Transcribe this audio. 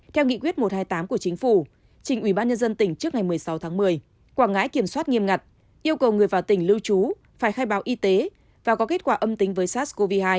theo nghị quyết một trăm hai mươi tám của chính phủ trình ubnd tỉnh trước ngày một mươi sáu tháng một mươi quảng ngãi kiểm soát nghiêm ngặt yêu cầu người vào tỉnh lưu trú phải khai báo y tế và có kết quả âm tính với sars cov hai